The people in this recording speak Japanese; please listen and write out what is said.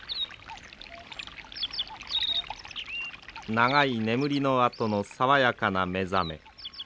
長い眠りのあとの爽やかな目覚め。